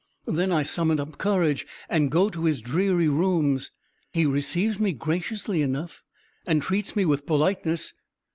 Then I summon up courage and go to his dreary rooms. He receives me graciously enough, and treats me with politeness.